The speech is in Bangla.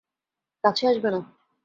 কাছে আসবে না।